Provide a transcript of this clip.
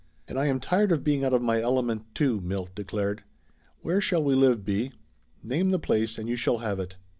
"And I am tired of being out of my element too!" Milt declared. "Where shall we live, B. ? Name the place and you shall have it!"